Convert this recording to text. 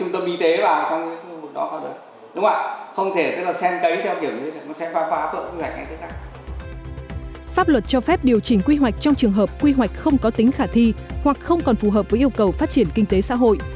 trong trường hợp quy hoạch không có tính khả thi hoặc không còn phù hợp với yêu cầu phát triển kinh tế xã hội